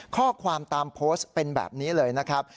ข้อความตามโพสต์เป็นแบบนี้เลยนะครับ